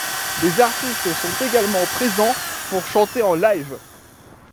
Des artistes sont également présents pour chanter en live.